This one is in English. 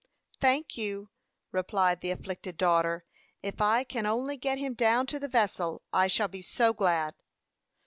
"Thank you!" replied the afflicted daughter. "If I can only get him down to the vessel, I shall be so glad!"